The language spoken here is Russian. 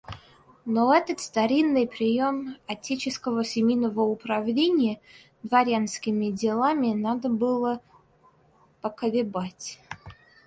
Но этот старинный прием отеческого семейного управления дворянскими делами надо было поколебать.